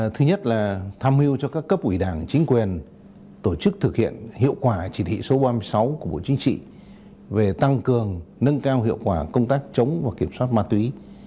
thứ nhất là tham mưu cho các cấp ủy đảng chính quyền tổ chức thực hiện hiệu quả chỉ thị số ba mươi sáu của bộ chính trị về tăng cường nâng cao hiệu quả công tác chống và kiểm soát ma túy